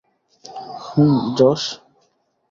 হু, যশ?